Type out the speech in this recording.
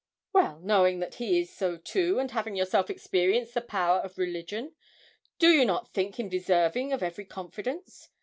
'Well, knowing that he is so too, and having yourself experienced the power of religion, do not you think him deserving of every confidence?